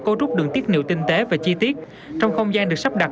cấu trúc đường tiết niệu tinh tế và chi tiết trong không gian được sắp đặt